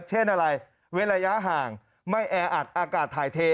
เช่นอะไรเว้นระยะห่างไม่แออัดอากาศถ่ายเท